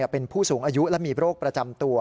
เป็นผู้สูงอายุและมีโรคประจำตัว